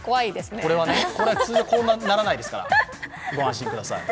これは普通こんなにならないですから、ご安心ください。